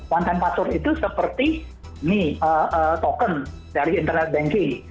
one time password itu seperti token dari internet banking